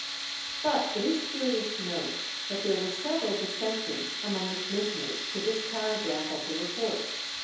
But it is curious to note that there were several dissentients among the commissioners to this paragraph of the report.